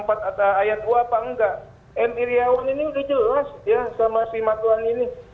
pak ayatua pak engga m iryawan ini sudah jelas ya sama si matuan ini